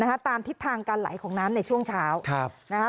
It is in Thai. ตามทิศทางการไหลของน้ำในช่วงเช้าครับนะฮะ